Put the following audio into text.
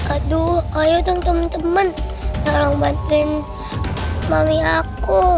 aduh ayo dong temen temen tolong bantuin mami aku